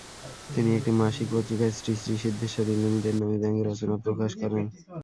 তিনি একটি মাসিক পত্রিকায় 'শ্রীশ্রীসিদ্ধেশ্বরী লিমিটেড' নামে ব্যঙ্গ রচনা প্রকাশ করেন।